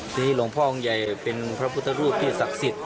ทีนี้หลวงพ่อองค์ใหญ่เป็นพระพุทธรูปที่ศักดิ์สิทธิ